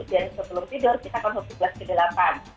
dan sebelum tidur kita konsumsi gelas ke delapan